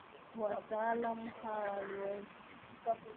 Wataalamu hawa waliweza